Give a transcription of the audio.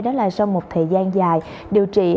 đó là sau một thời gian dài điều trị